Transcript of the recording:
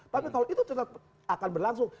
tapi kalau itu tetap akan berlangsung